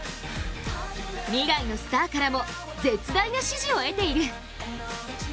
未来のスターからも絶大な支持を得ている。